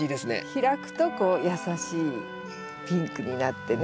開くとこう優しいピンクになってね。